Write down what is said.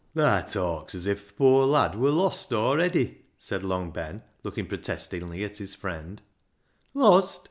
" Thaa talks as if th' poor lad wur lost awready," said Long Ben. looking protestingly at his friend, " Lost?